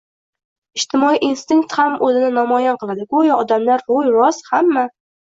ijtimoiy instinkt ham o‘zini namoyon qiladi: go‘yo odamlar ro‘y rost hamma